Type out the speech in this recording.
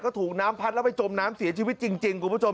ก็ถูกน้ำพัดแล้วไปจมน้ำเสียชีวิตจริงคุณผู้ชม